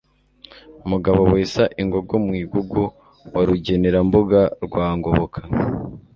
Mugabo wesa ingogo mu iguguWa Rugenerambuga rwa Ngoboka